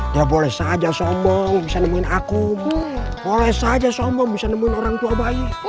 dia boleh saja sombong bisa nemuin aku boleh saja sombong bisa nemuin orang tua bayi